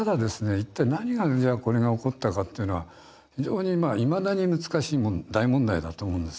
一体何がじゃあこれが起こったかっていうのは非常にいまだに難しい大問題だと思うんです。